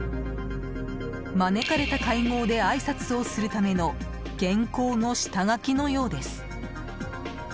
招かれた会合であいさつをするための原稿の下書きのようです。